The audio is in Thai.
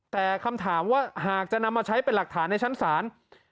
แต่คำถามว่าหากจะนำมาใช้เป็นหลักฐานในชั้นศาล